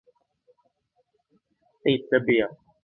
ติดระเบียบ